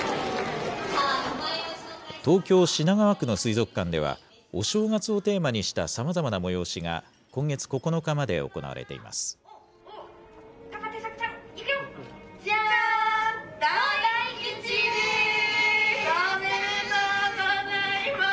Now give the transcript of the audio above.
東京・品川区の水族館では、お正月をテーマにしたさまざまな催しが、今月９日まで行われています。